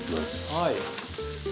はい。